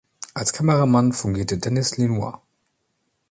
Als Kameramann fungierte Denis Lenoir.